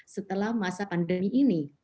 setelah masa pandemi ini